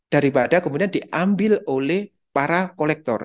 daripada kemudian diambil oleh para kolektor